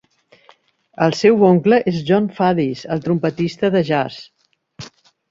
El seu oncle és Jon Faddis, el trompetista de jazz.